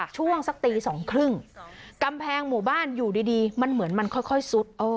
ช่วงสักตีสองครึ่งกำแพงหมู่บ้านอยู่ดีมันเหมือนมันค่อยซุด